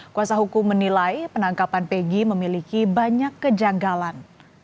kuasa hukum menilai penangkapan pegi memiliki banyak kejanggalan